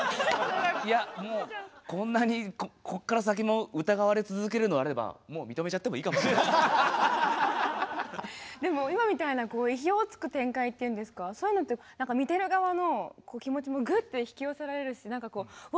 いやもうこんなにこっから先も疑われ続けるのであればでも今みたいな意表をつく展開っていうんですかそういうのって見てる側の気持ちもぐって引き寄せられるしうわ